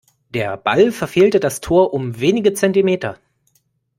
Der Ball verfehlte das Tor um wenige Zentimeter.